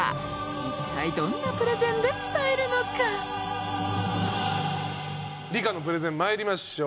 いったいどんなプレゼンで伝えるのか梨加のプレゼンまいりましょう。